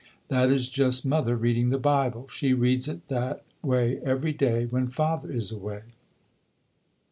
That is just Mother reading the Bible. She reads it that way every day when Father is away".